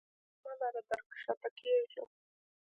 ږغ مه لره در کښته کیږم.